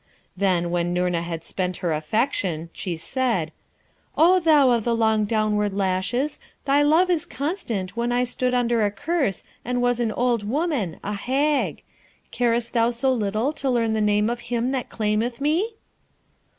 Then, when Noorna had spent her affection, she said, 'O thou of the long downward lashes, thy love was constant when I stood under a curse and was an old woman a hag! Carest thou so little to learn the name of him that claimeth me?'